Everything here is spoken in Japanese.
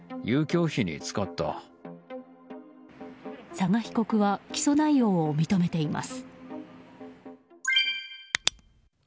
嵯峨被告は起訴内容を認めています。